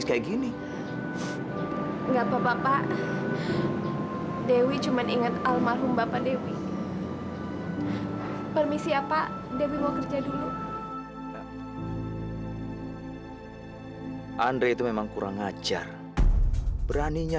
sampai jumpa di video selanjutnya